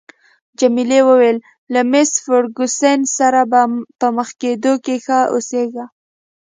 جميلې وويل: له مېس فرګوسن سره په مخ کېدو کې ښه اوسیږه.